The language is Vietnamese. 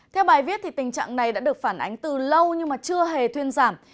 theo bài viết tình trạng này đã được phản ánh từ lâu nhưng mà chưa hề thuyên giảm